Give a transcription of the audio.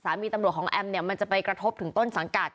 สามีตำรวจของแอมเนี่ยมันจะไปกระทบถึงต้นสังกัด